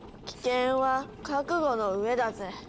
危険は覚悟の上だぜ。